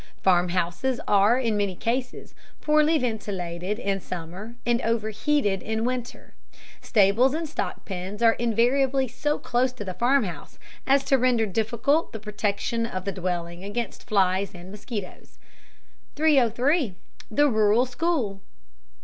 Farmhouses are in many cases poorly ventilated in summer and overheated in winter. Stables and stock pens are invariably so close to the farmhouse as to render difficult the protection of the dwelling against flies and mosquitoes. 303. THE RURAL SCHOOL.